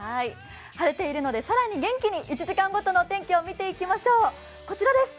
晴れているので更に元気に１時間ごとの天気を見ていきましょう。